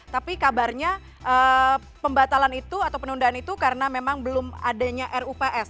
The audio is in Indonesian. tapi kabarnya pembatalan itu atau penundaan itu karena memang belum adanya rups